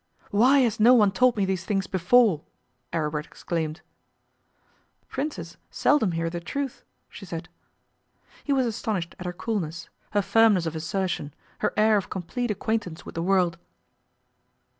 'Why has no one told me these things before?' Aribert exclaimed. 'Princes seldom hear the truth,' she said. He was astonished at her coolness, her firmness of assertion, her air of complete acquaintance with the world.